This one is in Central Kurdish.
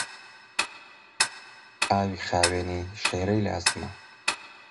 ئاوی خاوێنی شێرەی لازمە.